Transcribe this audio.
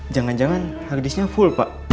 jangan jangan hadisnya full pak